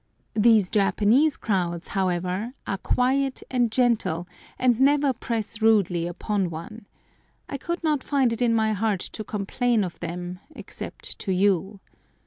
These Japanese crowds, however, are quiet and gentle, and never press rudely upon one. I could not find it in my heart to complain of them except to you.